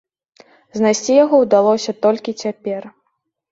Знайсці яго ўдалося толькі цяпер.